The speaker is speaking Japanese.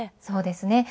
そうですね。